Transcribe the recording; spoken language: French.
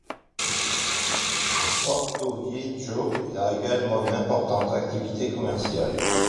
Portoviejo a également une importante activité commerciale.